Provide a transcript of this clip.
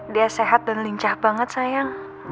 dia sehat dan lincah banget sayang